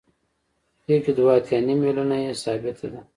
دې کې دوه اتیا نیم میلیونه یې ثابته ده